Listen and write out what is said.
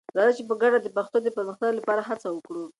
راځئ چې په ګډه د پښتو د پرمختګ لپاره هڅې وکړو.